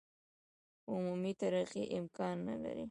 عمومي ترقي امکان نه لري.